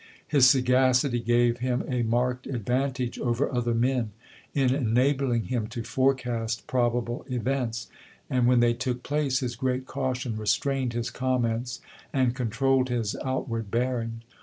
His sagac ity gave him a marked advantage over other men in enabling him to forecast probable events ; and when they took place, his great caution restrained his comments and controlled his outward bearing.